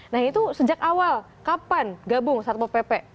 nah itu sejak awal kapan gabung satpo pp